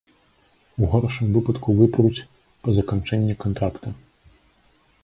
У горшым выпадку выпруць па заканчэнні кантракта.